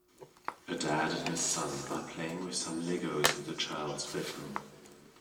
A dad and his son are playing with some Legos in the child 's bedroom.